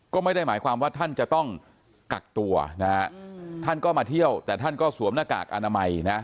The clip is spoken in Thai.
ก็ไม่ได้หมายความว่าท่านจะต้องกักตัวนะฮะท่านก็มาเที่ยวแต่ท่านก็สวมหน้ากากอนามัยนะ